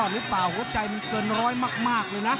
หัวใจมันเกินร้อยมากเลยนะ